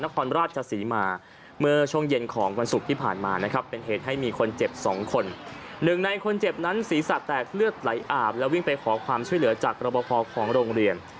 คนเจ็บสองคนหนึ่งในคนเจ็บนั้นศรีสัตว์แตกเลือดไหลอาบแล้ววิ่งไปขอความช่วยเหลือจากรบพอของโรงเรียน